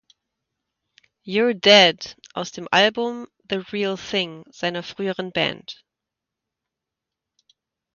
You’re Dead" aus dem Album "The Real Thing" seiner früheren Band.